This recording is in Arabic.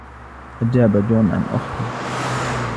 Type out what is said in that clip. أجاب جون عن أخته.